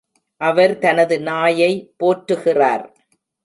அவர் தனது நாயை போற்றுகிறார்.